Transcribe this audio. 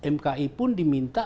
mki pun diminta